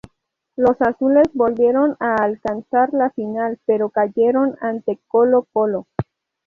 Los azules volvieron a alcanzar la Final pero cayeron ante Colo-Colo.